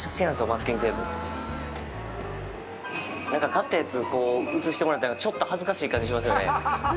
買ったやつ映してもらったらちょっと恥ずかしい感じしますよね。